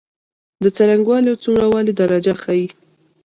د څرنګوالی او څومره والي درجه ښيي.